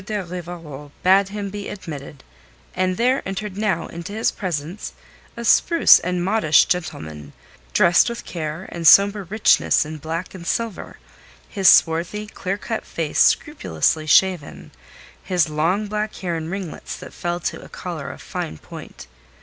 de Rivarol bade him be admitted, and there entered now into his presence a spruce and modish gentleman, dressed with care and sombre richness in black and silver, his swarthy, clear cut face scrupulously shaven, his long black hair in ringlets that fell to a collar of fine point.